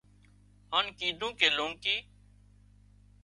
هانَ ڪيڌون ڪي لونڪي